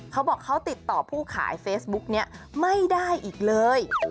เขาบอกเขาติดต่อผู้ขายเฟซบุ๊กนี้ไม่ได้อีกเลย